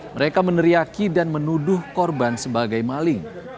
mereka meneriaki dan menuduh korban sebagai maling